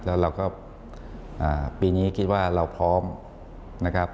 แล้วเราก็ปีนี้คิดว่าเราพร้อมนะครับ